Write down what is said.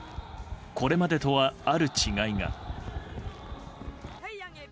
これまでとは、ある違いが。